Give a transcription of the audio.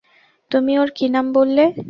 তুমি ওর কী নাম বললে?